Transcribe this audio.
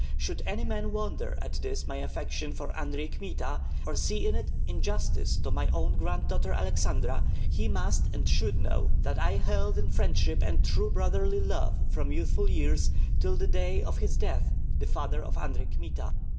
Should any man wonder at this my affection for Andrei Kmita, or see in it injustice to my own granddaughter Aleksandra, he must and should know that I held in friendship and true brotherly love from youthful years till the day of his death the father of Andrei Kmita.